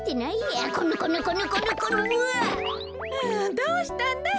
どうしたんだい？